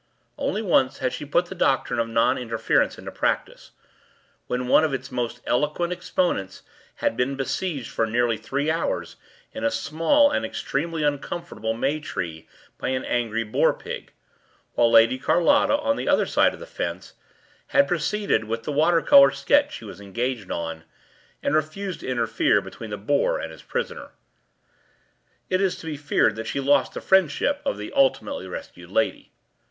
” Only once had she put the doctrine of non interference into practice, when one of its most eloquent exponents had been besieged for nearly three hours in a small and extremely uncomfortable may tree by an angry boar pig, while Lady Carlotta, on the other side of the fence, had proceeded with the water colour sketch she was engaged on, and refused to interfere between the boar and his prisoner. It is to be feared that she lost the friendship of the ultimately rescued lady.